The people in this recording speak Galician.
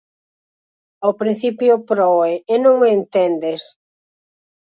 Ao principio proe e non o entendes.